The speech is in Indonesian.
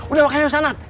udah makan yosanat